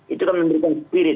itu kan memberikan spirit